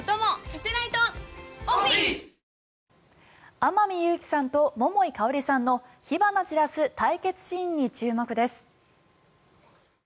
天海祐希さんと桃井かおりさんの火花散らす対決シーンに注目です。